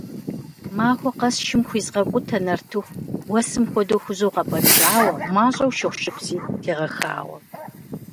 Махуэ къэс шым хуизгъэкӀутэ нартыху, уэсым хуэдэу хужьу гъэпӀэнкӀауэ, мащӀэу шыгъушыпси тегъэхауэ.